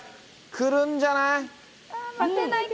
来るんじゃない？